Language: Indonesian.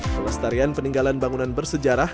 pelestarian peninggalan bangunan bersejarah